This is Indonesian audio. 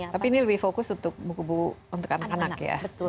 tapi ini lebih fokus untuk buku buku untuk anak anak ya